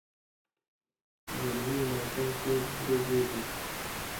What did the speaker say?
غرني ولایتونه ټول درې درې دي.